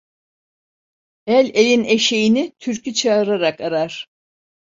El elin eşeğini türkü çağırarak arar.